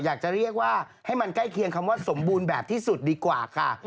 อยากจะเรียกว่าให้มันใกล้เคียงคำว่าสมบูรณ์แบบที่สุดดีกว่าค่ะ